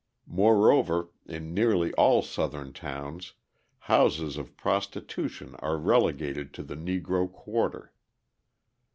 Moreover, in nearly all Southern towns, houses of prostitution are relegated to the Negro quarter.